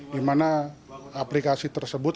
di mana aplikasi tersebut